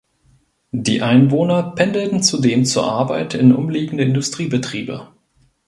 Die Einwohner pendelten zudem zur Arbeit in umliegende Industriebetriebe.